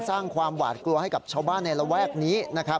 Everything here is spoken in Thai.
สร้างความหวาดกลัวตรากับชาวบ้านในระแวกนี่